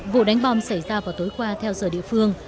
vụ đánh bom xảy ra vào tối qua theo giờ địa phương